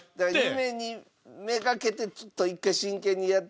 夢に目がけてちょっと一回真剣にやるとして。